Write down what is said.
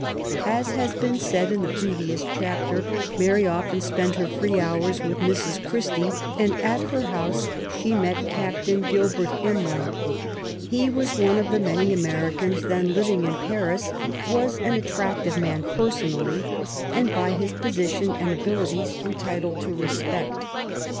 As has been said in the previous chapter, Mary often sp6nt her free hours with Mrs. Christie, and at her house she met Captain Gilbert Imlay. He was one of the many Americans then living in Paris; was an attractive man personally, and by his position and abili ties entitled to respect.